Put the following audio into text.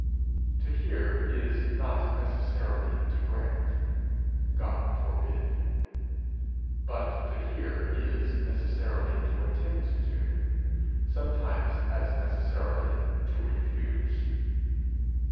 To hear is not necessarily to grant God forbid! but to hear is necessarily to attend to sometimes as necessarily to refuse.